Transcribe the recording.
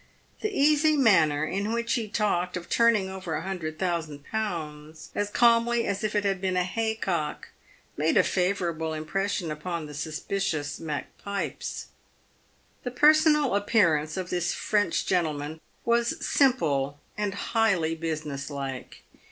The easy manner in which he talked of turning over a hundred thousand pounds, as calmly as if it had been a haycock, made a favourable im pression upon the suspicious Macpipes. The personal appearance of this French gentleman was simple and highly business like.